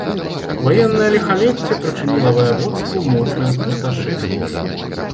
Ваеннае ліхалецце прычыніла ваяводству моцнае спусташэнне.